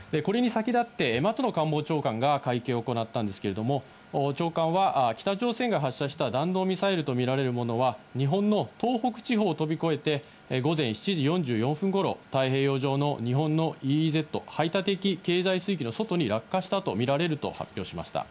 これに先立って松野官房長官が会見を行ったんですが、長官は北朝鮮が発射した弾道ミサイルとみられるものは日本の東北地方を飛び越えて午前７時４４分頃、太平洋上の日本のＥＥＺ＝排他的経済水域の外に落下したとみられると発表しました。